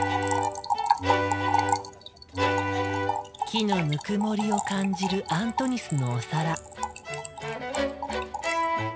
木のぬくもりを感じるアントニスのお皿。